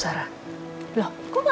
sarah pak suri udah dateng kan